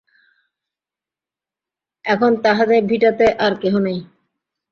এখন তাঁহাদের ভিটাতে আর কেহ নাই।